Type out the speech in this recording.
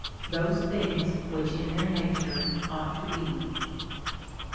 Those things which in their nature ought to be.